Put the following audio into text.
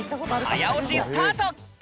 早押しスタート！